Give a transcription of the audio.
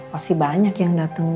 pasti banyak yang dateng